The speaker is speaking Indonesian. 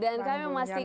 dan kami memastikan